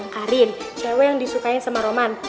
karin cewek yang disukai sama roman